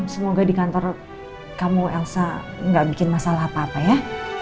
semoga di kantor kamu elsa nggak bikin masalah apa apa ya